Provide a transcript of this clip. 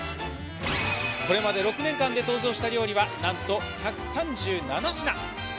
これまで６年間で登場した料理はなんと１３７品！